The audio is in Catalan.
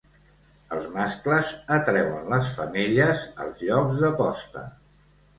Els mascles atreuen les femelles als llocs de posta.